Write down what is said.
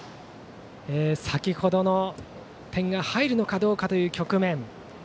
先ほどの点が入るのかどうかという局面。